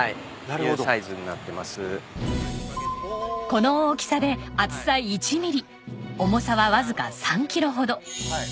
この大きさで厚さ１ミリ重さはわずか３キロほど。